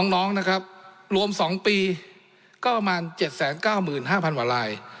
น้องนะครับรวม๒ปีก็ประมาณ๗๙๕๐๐กว่าลาย